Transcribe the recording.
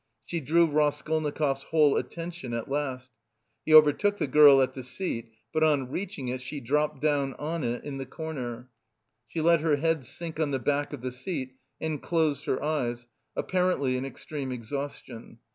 She drew Raskolnikov's whole attention at last. He overtook the girl at the seat, but, on reaching it, she dropped down on it, in the corner; she let her head sink on the back of the seat and closed her eyes, apparently in extreme exhaustion.